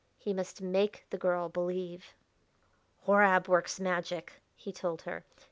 He must make the girl believe. "Horab works magic," he told her.